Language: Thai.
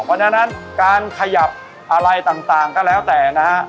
เพราะฉะนั้นการขยับอะไรต่างก็แล้วแต่นะฮะ